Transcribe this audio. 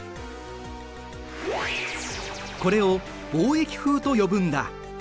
これを貿易風と呼ぶんだ。